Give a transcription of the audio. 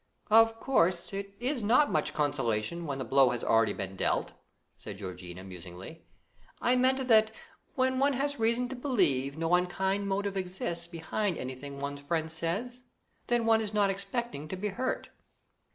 "Of course, it is not much consolation, when the blow has been already dealt," said Georgiana musingly; "I meant that when one has reason to believe no unkind motive exists behind anything one's friend says, then one is not expecting to be hurt."